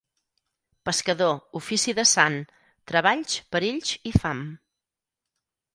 Pescador, ofici de sant: treballs, perills i fam.